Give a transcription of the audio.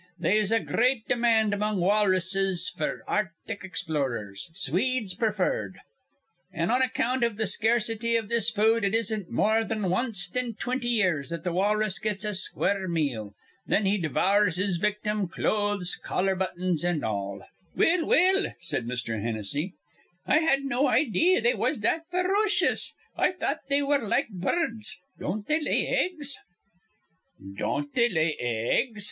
Theyse a gr reat demand among walruses f'r artic explorers, Swedes preferred; an' on account iv th' scarcity iv this food it isn't more than wanst in twinty years that th' walrus gets a square meal. Thin he devours his victim, clothes, collar buttons, an' all." "Well, well," said Mr. Hennessy. "I had no idee they was that ferocious. I thought they were like bur rds. Don't they lay eggs?" "Don't they lay eggs?"